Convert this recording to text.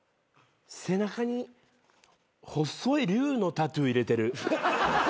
背中に細い龍のタトゥー入れてる。